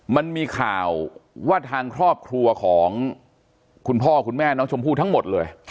มันมีข่าวว่าทางครอบครัวของคุณพ่อคุณแม่น้องชมพู่ทั้งหมดเลย